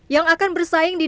yang akan bersaing di